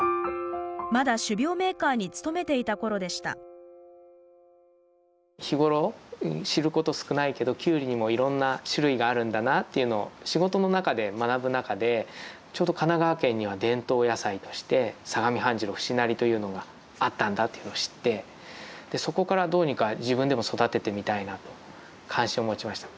まだ種苗メーカーに勤めていた頃でした日頃知ること少ないけどというのを仕事の中で学ぶ中でちょうど神奈川県には伝統野菜として相模半白節成というのがあったんだというのを知ってそこからどうにか自分でも育ててみたいなと関心を持ちました。